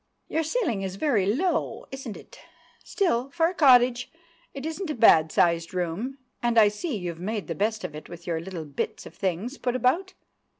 "Your ceiling is very low, isn't it?—still, for a cottage, it isn't a bad sized room; and I see you've made the best of it with your little bits of things put about."